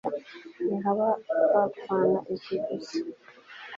ntihaba bapfana iki gusa